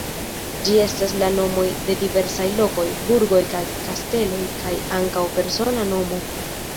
Ĝi estas la nomoj de diversaj lokoj, burgoj kaj kasteloj kaj ankaŭ persona nomo.